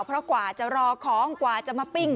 เพราะกว่าจะรอของกว่าจะมาปิ้ง